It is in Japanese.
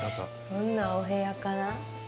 どんなお部屋かな？